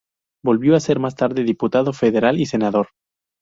Volvió a ser más tarde diputado federal y senador.